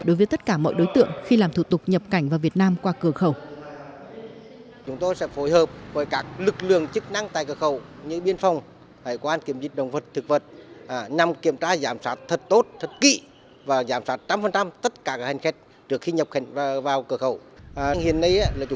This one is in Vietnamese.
đối với tất cả mọi đối tượng khi làm thủ tục nhập cảnh vào việt nam qua cửa khẩu